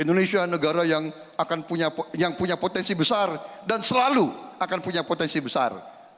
indonesia negara yang punya potensi besar dan selalu akan punya potensi besar